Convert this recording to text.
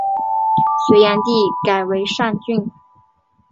隋炀帝改为上郡。